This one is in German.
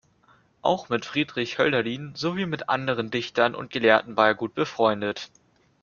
Auch mit Friedrich Hölderlin sowie mit anderen Dichtern und Gelehrten war er gut befreundet.